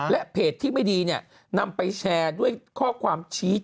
และเพจที่ไม่ดีเนี่ยนำไปแชร์ด้วยข้อความชี้